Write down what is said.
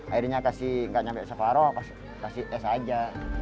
akhirnya kasih enggak sampai separoh kasih es aja